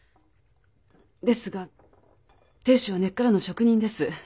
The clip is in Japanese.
ですが亭主は根っからの職人です。